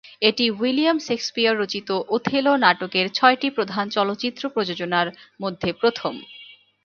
এটি William Shakespeare রচিত "Othello" নাটকের ছয়টি প্রধান চলচ্চিত্র প্রযোজনার মধ্যে প্রথম।